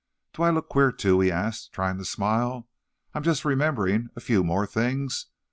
"Do I look queer, too?" he asked, trying to smile. "I'm just remembering a few more things."